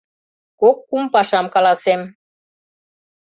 Кок-кум пашам каласем.